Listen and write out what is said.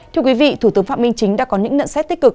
thưa quý vị thủ tướng phạm minh chính đã có những nhận xét tích cực